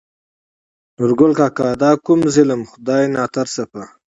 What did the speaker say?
نورګل کاکا : دا کوم ظلم خداى ناترسه په